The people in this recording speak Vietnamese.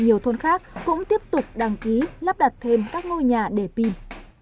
nhiều thôn khác cũng tiếp tục đăng ký lắp đặt thêm các ngôi nhà để pin